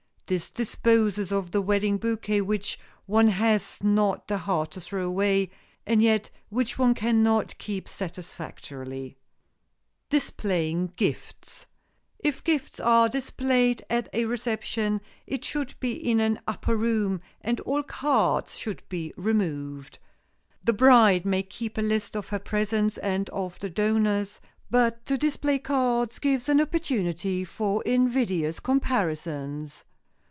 This disposes of the wedding bouquet which one has not the heart to throw away, and yet which one can not keep satisfactorily. [Sidenote: DISPLAYING GIFTS] If gifts are displayed at a reception, it should be in an upper room, and all cards should be removed. The bride may keep a list of her presents and of the donors, but to display cards gives an opportunity for invidious comparisons.